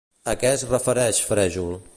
A què es refereix frèjol?